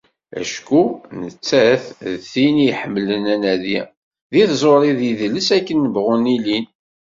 Acku nettat d tin i iḥemmlen anadi di tẓuri d yidles akken bɣun ilin.